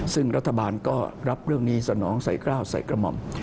ซึ่งรัฐบาลก็รับเรื่องนี้สนองใส่กล้าวใส่กระหม่อม